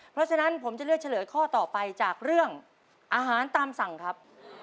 เพราะฉะนั้นผมจะเลือกเฉลยข้อต่อไปจากเรื่องอาหารตามสั่งครับ